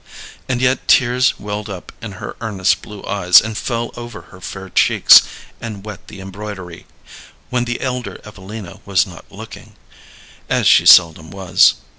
And yet tears welled up in her earnest blue eyes and fell over her fair cheeks and wet the embroidery when the elder Evelina was not looking, as she seldom was.